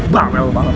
bang melewat balas